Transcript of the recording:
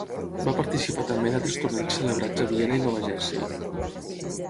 Va participar també en altres torneigs celebrats a Viena i Nova Jersey.